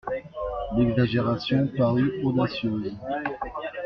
L'exagération parut audacieuse.